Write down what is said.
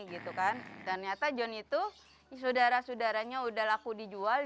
dan ternyata john itu saudara saudaranya udah laku dijual